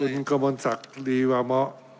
คุณกมณศักดิวามะ